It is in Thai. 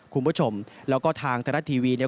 คุณผู้ชมแล้วก็ทางตรัสทีวี